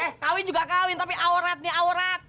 eh kawin juga kawin tapi awarat nih awarat